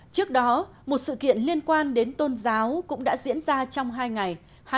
trước đó một sự kiện liên quan đến tôn giáo cũng đã diễn ra trong hai ngày